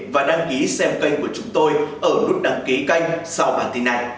và đăng ký xem kênh của chúng tôi ở nút đăng ký kênh sau bản tin này